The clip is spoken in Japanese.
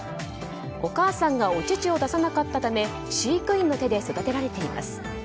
お母さんがお乳を出さなかったため飼育員の手で育てられています。